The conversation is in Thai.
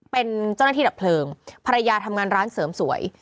เป็นเจ้าหน้าที่ดับเพลิงภรรยาทำงานร้านเสริมสวย